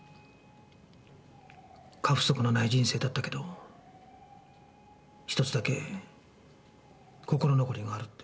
過不足のない人生だったけど１つだけ心残りがあるって。